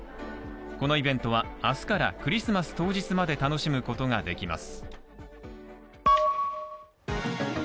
このイベントは明日からクリスマス当日まで楽しむことができます。